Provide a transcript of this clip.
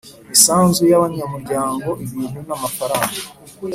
Misanzu y abanyamuryango ibintu n amafaranga